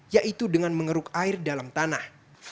yaitu dengan mengeruk air dalam tanah